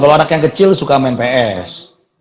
kalau anak yang kecil suka main ps